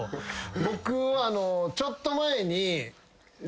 僕はちょっと前に。